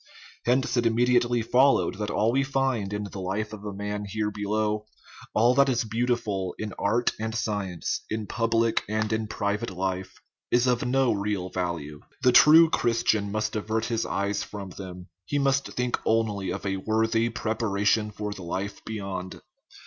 Hence it immediately followed that all we find in the life of man here below, all that is beau tiful in art and science, in public and in private life, is of no real value. The true Christian must avert his eyes from them; he must think only of a worthy preparation for the life beyond.